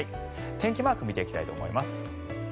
天気マークを見ていきたいと思います。